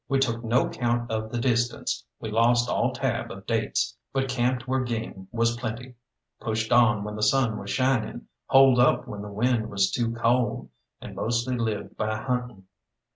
We took no count of the distance, we lost all tab of dates, but camped where game was plenty, pushed on when the sun was shining, holed up when the wind was too cold, and mostly lived by hunting.